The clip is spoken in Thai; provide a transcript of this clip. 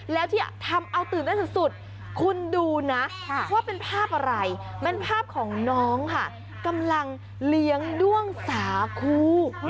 แล้วที่ทำเอาตื่นเต้นสุดคุณดูนะว่าเป็นภาพอะไรเป็นภาพของน้องค่ะกำลังเลี้ยงด้วงสาคู